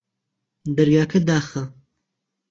دەرگاکە داخە